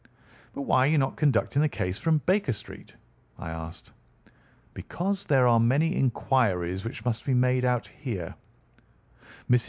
"But why are you not conducting the case from Baker Street?" I asked. "Because there are many inquiries which must be made out here. Mrs.